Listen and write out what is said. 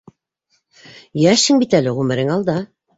Йәшһең бит әле, ғүмерең алда.